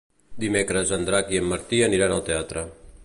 Dimecres en Drac i en Martí aniran al teatre.